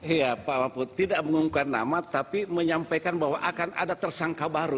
iya pak mahfud tidak mengumumkan nama tapi menyampaikan bahwa akan ada tersangka baru